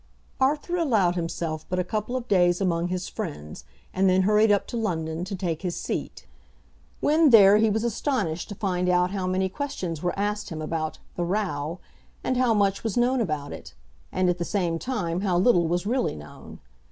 Arthur allowed himself but a couple of days among his friends, and then hurried up to London to take his seat. When there he was astonished to find how many questions were asked him about "the row," and how much was known about it, and at the same time how little was really known.